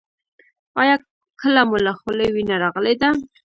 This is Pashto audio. ایا کله مو له خولې وینه راغلې ده؟